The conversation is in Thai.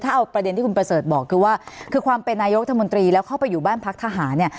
ถ้าเอาประเด็นที่คุณประเสริฐบอกคือว่าคือความเป็นนายกรัฐมนตรีแล้วเข้าไปอยู่บ้านพักทหารเนี่ย